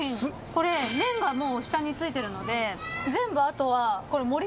これ麺がもう下に付いてるので全部あとは盛り付けるだけ。